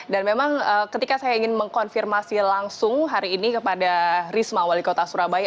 dan memang ketika saya ingin mengkonfirmasi langsung hari ini kepada risma wali kota surabaya